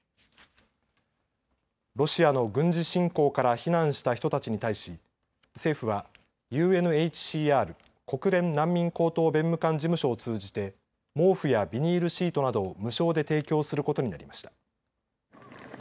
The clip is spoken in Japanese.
ロシアの軍事侵攻から避難した人たちに対し政府はＵＮＨＣＲ・国連難民高等弁務官事務所を通じて毛布やビニールシートなどを無償で提供することになりました。